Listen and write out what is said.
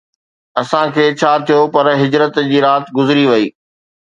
اسان کي ڇا ٿيو پر هجرت جي رات گذري وئي